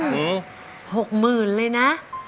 หกหมื่นเลยนะ